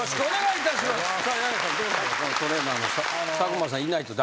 トレーナーの佐久間さんいないと駄目？